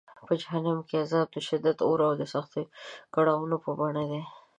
په جهنم کې عذاب د شدید اور او سختو کړاوونو په بڼه دی.